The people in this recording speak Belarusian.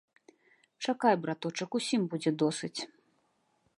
Чакай, браточак, усім будзе досыць!